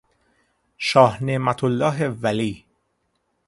شاه نعمتالله ولی